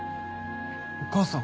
お母さん。